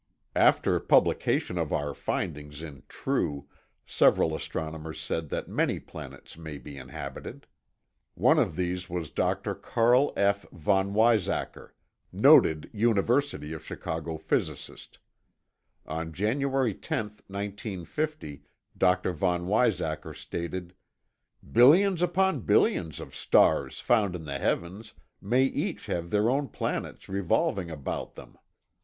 After publication of our findings in True, several astronomers said that many planets may be inhabited. One of these was Dr. Carl F. von Weizacker, noted University of Chicago physicist. On January 10, 1950, Dr. von Weizacker stated: "Billions upon billions of stars found in the heavens may each have their own planets revolving about them.